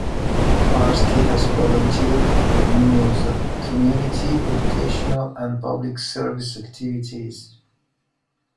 Parsky has volunteered for numerous community, educational and public service activities.